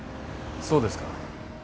そうですか。